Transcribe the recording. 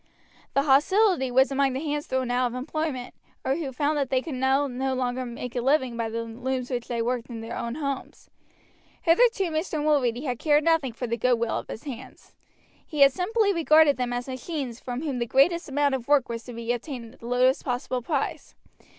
The hostility was among the hands thrown out of employment, or who found that they could now no longer make a living by the looms which they worked in their own homes. Hitherto Mr. Mulready had cared nothing for the goodwill of his hands. He had simply regarded them as machines from whom the greatest amount of work was to be obtained at the lowest possible price.